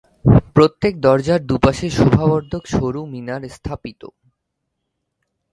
প্রত্যেক দরজার দু পাশে শোভাবর্ধক সরু মিনার স্থাপিত।